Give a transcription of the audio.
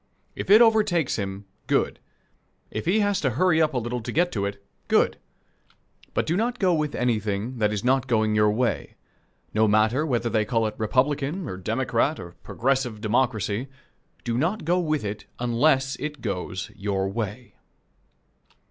If it overtakes him, good. If he has to hurry up a little to get to it, good. But do not go with anything that is not going your way; no matter whether they call it Republican, or Democrat, or Progressive Democracy do not go with it unless it goes your way.